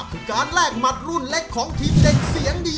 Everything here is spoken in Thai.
คือการแลกหมัดรุ่นเล็กของทีมเด็กเสียงดี